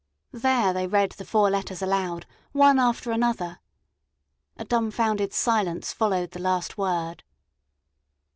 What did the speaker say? There they read the four letters aloud, one after another. A dumfounded silence followed the last word.